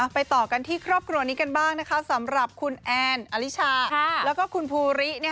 ไปต่อกันที่ครอบครัวนี้กันบ้างนะคะสำหรับคุณแอนอลิชาแล้วก็คุณภูริ